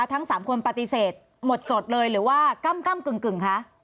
ทั้ง๓คนปฏิเสธหมดจดเลยหรือว่าก้ำกึ่งคะ